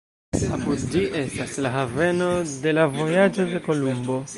Apud ĝi estis la haveno de la vojaĝo de Kolumbo.